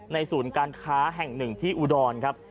ศูนย์การค้าแห่งหนึ่งที่อุดรครับ